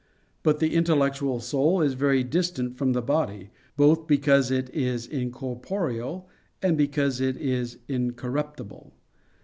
But the intellectual soul is very distant from the body, both because it is incorporeal, and because it is incorruptible.